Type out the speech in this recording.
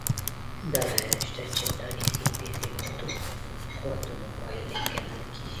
دلایل شته چې تاریخي پېښې پټو قوتونو پایلې ګڼل کېږي.